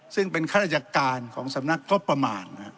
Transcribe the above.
ซึ่งเป็นฆาตจักรการของสำนักครบประมาณ